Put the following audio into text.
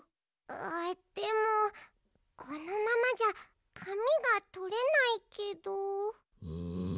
あっでもこのままじゃかみがとれないけど。